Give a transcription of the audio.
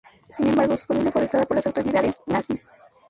Sin embargo, su familia fue arrestada por las autoridades nazis.